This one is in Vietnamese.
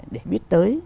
để biết tới